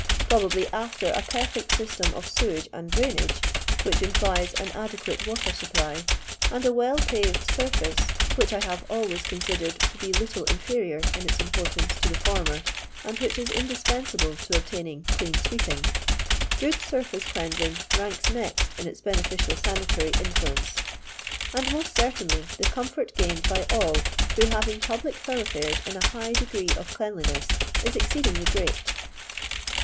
Probably after a perfect system of sewage and drainage (which implies an adequate water supply), and a well paved surface (which I have always considered to be little inferior in its im portance to the former, and which is indispen sable to obtaining clean sweeping), good surface cleansing ranks next in its beneficial sanitary influence; and most certainly the comfort gained by all through having public thoroughfiires in a high degree of cleanliness is exceedingly great.